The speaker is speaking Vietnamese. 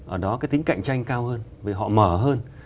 ở đó cái tính cạnh tranh cao hơn vì họ mở hơn